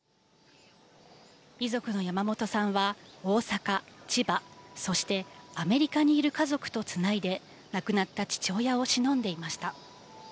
遺族の山本さんは、大阪、千葉、そしてアメリカにいる家族とつないで、亡くなった父親をしのんでいました。